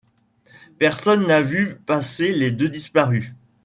Personne n'a vu passer les deux disparus.